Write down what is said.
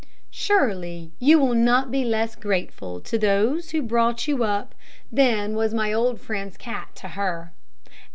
Surely you will not be less grateful to those who brought you up than was my old friend's cat to her.